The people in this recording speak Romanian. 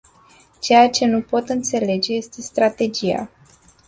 Ceea ce nu pot înțelege este strategia.